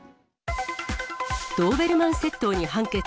ドーベルマン窃盗に判決。